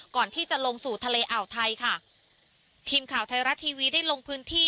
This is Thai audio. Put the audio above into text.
ก่อนที่จะลงสู่ทะเลอ่าวไทยค่ะทีมข่าวไทยรัฐทีวีได้ลงพื้นที่